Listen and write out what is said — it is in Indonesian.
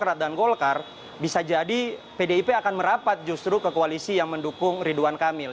demokrat dan golkar bisa jadi pdip akan merapat justru ke koalisi yang mendukung ridwan kamil